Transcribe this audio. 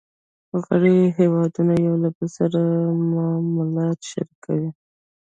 غړي هیوادونه یو بل سره معلومات شریکوي